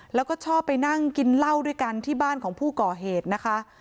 แล้วก็ชอบไปนั่งกินเหล้าด้วยกันที่บ้านของผู้ก่อเหตุนะคะ